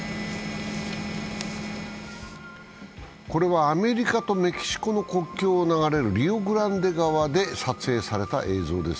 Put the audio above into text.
これはアメリカとメキシコの国境を流れるリオ・グランデ川で撮影された映像です。